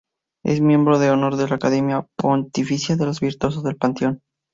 Es miembro de honor de la Academia Pontificia de los Virtuosos del Panteón.